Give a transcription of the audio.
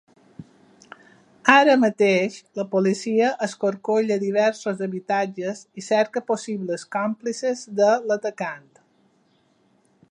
Ara mateix, la policia escorcolla diversos habitatges i cerca possibles còmplices de l’atacant.